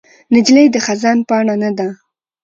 نجلۍ د خزان پاڼه نه ده.